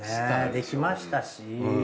できましたし。